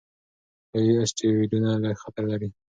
لوی اسټروېډونه لږ خطر لري.